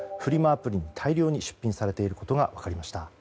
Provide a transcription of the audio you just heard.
アプリに大量に出品されていることが分かりました。